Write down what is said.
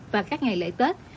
và các ngày lễ tết